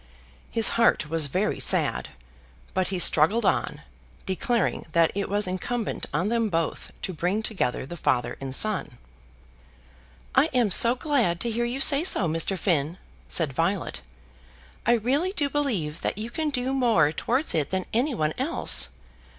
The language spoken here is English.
His heart was very sad, but he struggled on, declaring that it was incumbent on them both to bring together the father and son. "I am so glad to hear you say so, Mr. Finn," said Violet. "I really do believe that you can do more towards it than any one else.